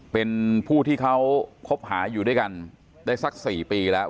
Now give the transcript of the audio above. เป็นผู้ที่เขาคบหาอยู่ด้วยกันได้สัก๔ปีแล้ว